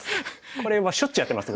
これはしょっちゅうやってます